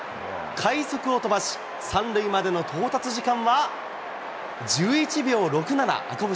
快足を飛ばし、３塁までの到達時間は、１１秒６７。